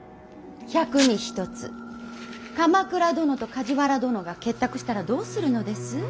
百に一つ鎌倉殿と梶原殿が結託したらどうするのです。